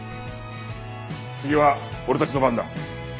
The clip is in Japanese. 次は俺たちの番だ。